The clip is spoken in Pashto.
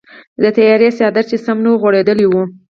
د تیارې څادر چې سم نه وغوړیدلی و.